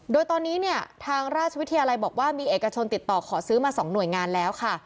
โดยตอนนี้เนี่ยทางราชวิทยาลัยบอกว่ามีเอกชนติดต่อขอซื้อมา๒หน่วยงานแล้วค่ะ